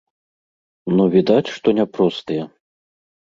Ну відаць, што не простыя.